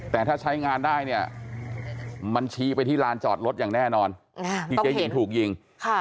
แต่ถ้าใช้งานได้มันชี้ไปที่ลานจอดรถอย่างแน่นอนเป้าเหตุปัจจุดถูกยิง